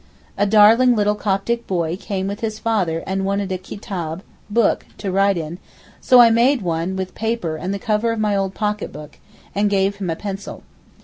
A darling little Coptic boy came with his father and wanted a 'kitaab' (book) to write in, so I made one with paper and the cover of my old pocket book, and gave him a pencil.